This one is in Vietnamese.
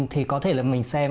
thì có thể là mình xem